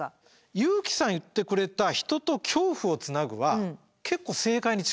優樹さん言ってくれた人と恐怖をつなぐは結構正解に近い気がしますね。